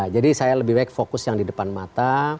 jadi saya lebih baik fokus yang di depan mata